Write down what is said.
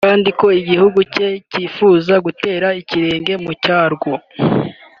kandi ko igihugu cye cyifuza gutera ikirege mu cyarwo